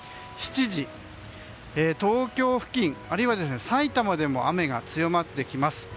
７時、東京付近あるいは埼玉でも雨が強まってきます。